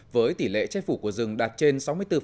với tỷ lệ che phủ của rừng đạt trên sáu mươi bốn